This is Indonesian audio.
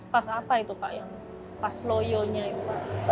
pas apa itu pak yang pas loyonya itu pak